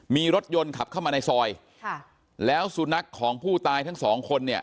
มีรถยนต์ขับเข้ามาในซอยค่ะแล้วสุนัขของผู้ตายทั้งสองคนเนี่ย